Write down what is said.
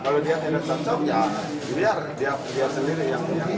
kalau dia tidak cocok ya biar dia sendiri yang